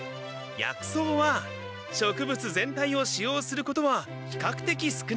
薬草は植物全体を使用することはひかくてき少ない。